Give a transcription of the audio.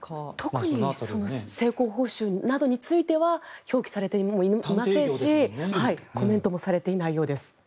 特に成功報酬などについては表記されていませんしコメントもされていないようです。